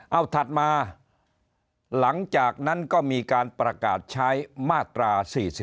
เอาถัดมาหลังจากนั้นก็มีการประกาศใช้มาตรา๔๔